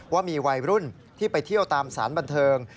ว่ามีวัยรุ่นที่ไปเที่ยวตามสารบันเทิง